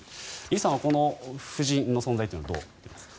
李さんはこの夫人の存在はどう見ていますか？